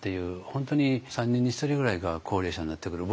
本当に３人に１人ぐらいが高齢者になってくる。